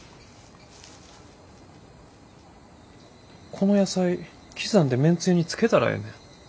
この野菜刻んでめんつゆにつけたらええねん。